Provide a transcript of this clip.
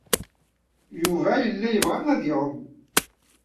Yuba yella yebɣa ad iɛum.